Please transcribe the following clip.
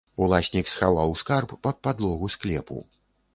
Уласнік схаваў скарб пад падлогу склепу.